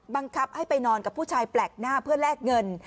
บังคับให้ไปนอนกับผู้ชายแปลกหน้าเพื่อแลกเงิน